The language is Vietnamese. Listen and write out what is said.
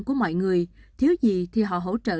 của mọi người thiếu gì thì họ hỗ trợ